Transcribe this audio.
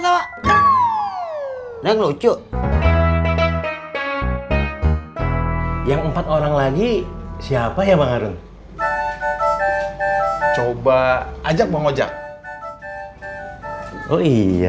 nah lucu yang empat orang lagi siapa ya bang arun coba ajak mau ngojak oh iya